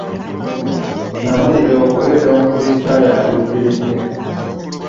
N'amalirira okubeera omukulisitaayo atuukiridde.